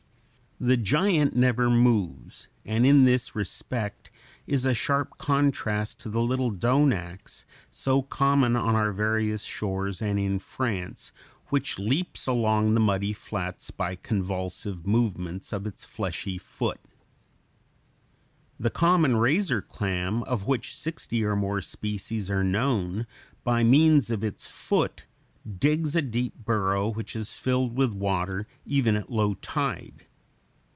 The giant never moves, and in this respect is a sharp contrast to the little donax, so common on our various shores and in France, which leaps along the muddy flats by convulsive movements of its fleshy foot. [Illustration: FIG. 89. Razor clam.] The common razor clam, of which sixty or more species are known, by means of its foot (Fig. 89) digs a deep burrow which is filled with water even at low tide.